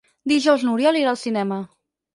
Dijous n'Oriol irà al cinema.